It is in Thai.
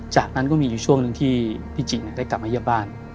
จากนั้นก็มีอยู่ช่วงหนึ่งที่พี่จิได้กลับมาเยี่ยมบ้าน